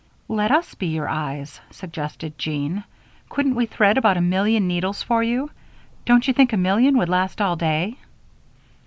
"Let us be your eyes," suggested Jean. "Couldn't we thread about a million needles for you? Don't you think a million would last all day?"